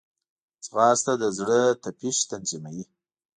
ځغاسته د زړه تپش تنظیموي